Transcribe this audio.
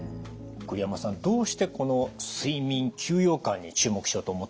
栗山さんどうしてこの睡眠休養感に注目しようと思ったんですか？